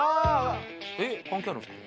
えっ関係あるんですか？